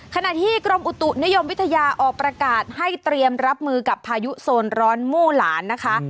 ขณะที่กรมอุตุนิยมวิทยาออกประกาศให้เตรียมรับมือกับพายุโซนร้อนมู่หลานนะคะ